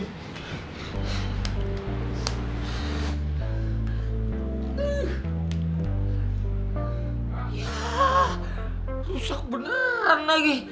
ya rusak beneran lagi